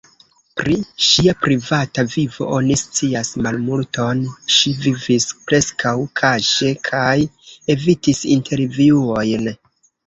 Pri ŝia privata vivo oni scias malmulton; ŝi vivis preskaŭ kaŝe kaj evitis intervjuojn.